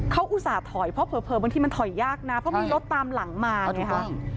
เขาอุตส่าห์ถอยเพราะเผลอบางทีมันถอยยากนะเพราะมีรถตามหลังมาไงฮะ